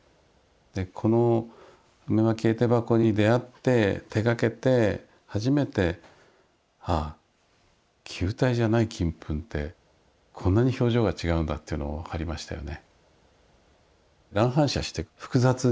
でこの「梅蒔絵手箱」に出会って手がけて初めてああ球体じゃない金粉ってこんなに表情が違うんだっていうのを分かりましたよね。